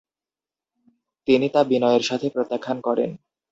তিনি তা বিনয়ের সাথে প্রত্যাখ্যান করেন।